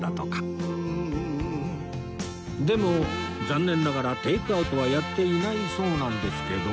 でも残念ながらテイクアウトはやっていないそうなんですけど